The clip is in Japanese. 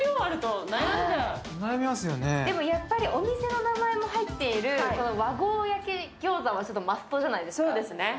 でもやっぱりお店の名前も入ってる和合焼餃子はマストじゃないですか。